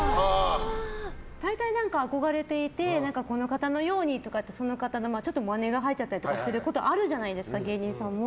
大体、憧れていてこの方のようにとかその方のまねとかが入っちゃったりすることあるじゃないですか芸人さんも。